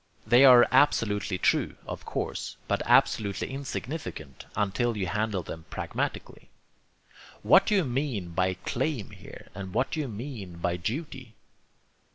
They are absolutely true, of course, but absolutely insignificant until you handle them pragmatically. What do you mean by 'claim' here, and what do you mean by 'duty'?